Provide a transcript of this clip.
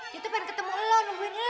dia tuh pengen ketemu lu nungguin lu